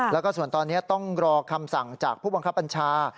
แล้วก็ส่วนตอนนี้ต้องรอคำสั่งจากผู้บังคับบัญชา